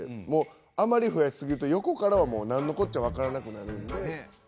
あまりでかすぎると横からは何のこっちゃ分からなくなるので。